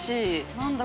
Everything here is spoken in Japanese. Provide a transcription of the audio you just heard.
何だ？